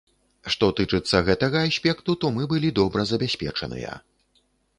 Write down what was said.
Што тычыцца гэтага аспекту, то мы былі добра забяспечаныя.